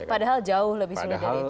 padahal jauh lebih sulit dari itu